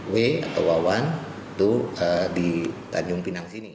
w atau wawan itu di tanjung pinang sini